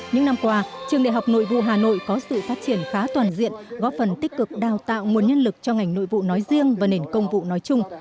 những năm qua trường đại học nội vụ hà nội có sự phát triển khá toàn diện góp phần tích cực đào tạo nguồn nhân lực cho ngành nội vụ nói riêng và nền công vụ nói chung